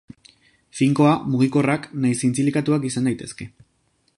Finkoa, mugikorrak nahiz zintzilikatuak izan daitezke.